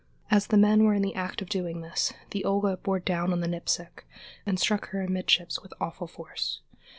As the men were in the act of doing this, the Olga bore down on the Nipsic and struck her amidships with awful force.